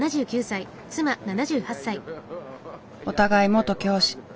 お互い元教師。